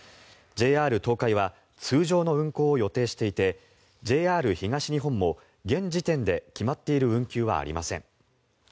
ＪＲ東海は通常の運行を予定していてＪＲ東日本も現時点で決まっている運休はありません。